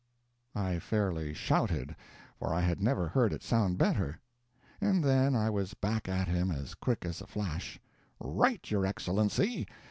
I fairly shouted, for I had never heard it sound better; and then I was back at him as quick as a flash "Right, your Excellency!